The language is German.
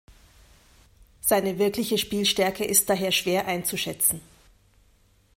Seine wirkliche Spielstärke ist daher schwer einzuschätzen.